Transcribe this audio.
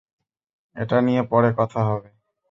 এটা নিয়ে পরে কথা হবে।